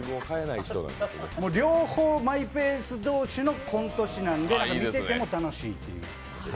もう両方マイペース同士のコント師なんで、なんか、見てても楽しいっていう。